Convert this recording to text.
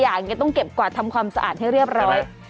อย่างนี้ต้องเก็บกวาดทำความสะอาดให้เรียบร้อย